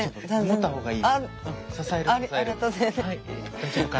大丈夫かな？